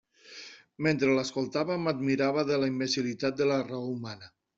Mentre l'escoltava, m'admirava de la imbecil·litat de la raó humana.